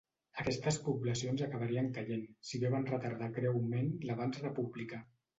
Aquestes poblacions acabarien caient, si bé van retardar greument l'avanç republicà.